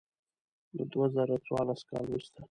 له دوه زره څوارلسم کال وروسته.